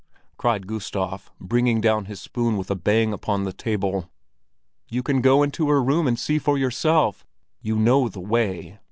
cried Gustav, bringing down his spoon with a bang upon the table. "You can go into her room and see for yourself; you know the way!"